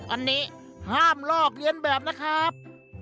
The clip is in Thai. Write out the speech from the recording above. อันนี้ห้ามลอกเรียนแบบนะครับ